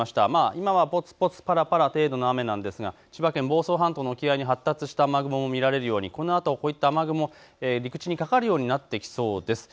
今はぽつぽつぱらぱら程度の雨なんですが房総半島の沖合に発達した雨雲も見られように、このあと陸地にかかってくるようになってきそうです。